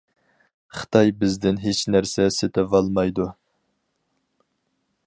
خىتاي بىزدىن ھېچ نەرسە سېتىۋالمايدۇ.